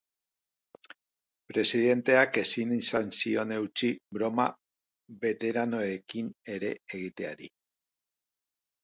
Presidenteak ezin izan zion eutsi broma beteranoekin ere egiteari.